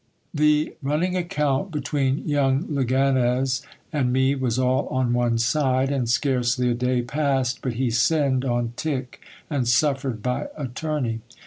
The running account between young Leganez and me was all on one side, and scarcely a day passed but he sinned on tick and suffered by attorney.